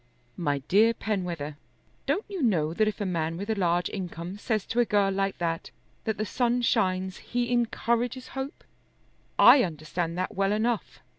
"My dear Penwether, don't you know that if a man with a large income says to a girl like that that the sun shines he encourages hope. I understand that well enough.